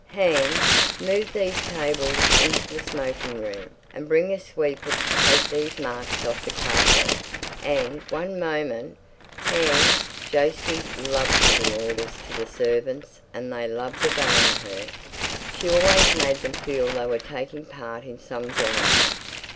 "Hans, move these tables into the smoking room, and bring a sweeper to take these marks off the carpet and—one moment, Hans—" Jose loved giving orders to the servants, and they loved obeying her. She always made them feel they were taking part in some drama.